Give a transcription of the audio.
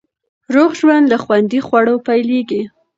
روغ ژوند له خوندي خوړو پیلېږي.